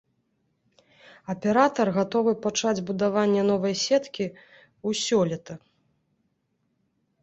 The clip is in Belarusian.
Аператар гатовы пачаць будаванне новай сеткі ў сёлета.